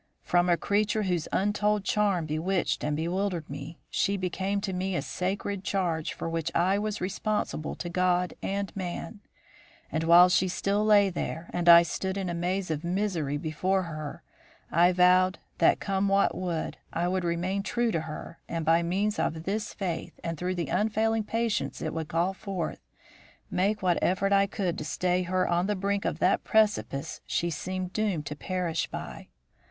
From a creature whose untold charm bewitched and bewildered me, she became to me a sacred charge for which I was responsible to God and man; and while she still lay there and I stood in a maze of misery before her, I vowed that, come what would, I would remain true to her and by means of this faith and through the unfailing patience it would call forth, make what effort I could to stay her on the brink of that precipice she seemed doomed to perish by.